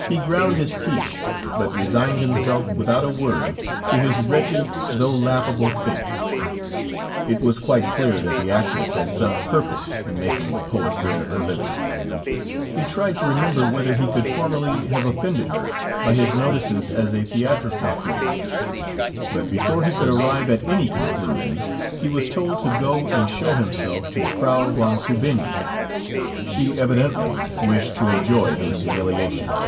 He ground his teeth, but resigned himself without a word to his wretched, though laughable fate; it was quite clear that the actress had some purpose in making the poet wear her livery. He tried to remember whether he could formerly have offended her by his notices as a theatrical critic, but before he could arrive at any conclusion, he was told to go and show himself to Frau von Kubinyi. She evidently wished to enjoy his humiliation.